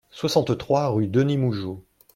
soixante-trois rue Denis Mougeot